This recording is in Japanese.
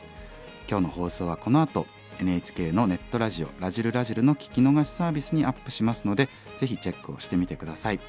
今日の放送はこのあとＮＨＫのネットラジオ「らじる★らじる」の聴き逃しサービスにアップしますのでぜひチェックをしてみて下さい。